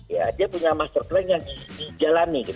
ya dia punya master plan yang dijalani